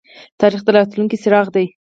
تاریخ د راتلونکي څراغ دی